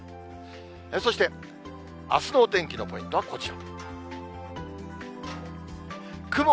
そしてあすのお天気のポイントはこちら。